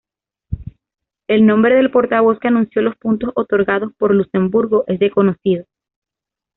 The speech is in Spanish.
El nombre del portavoz que anunció los puntos otorgados por Luxemburgo es desconocido.